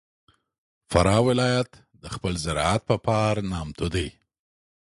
فراه ولایت د خپل زراعت په پار نامتو دی.